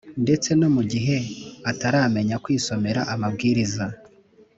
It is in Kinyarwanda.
ndetse no mu gihe ataramenya kwisomera amabwiriza.